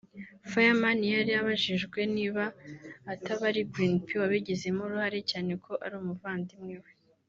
Fireman yari abajijwe niba ataba ari Green P wabigizemo uruhare cyane ko ari umuvandimwe we